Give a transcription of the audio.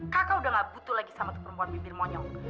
kakak udah gak butuh lagi sama tuh perempuan bibir monyong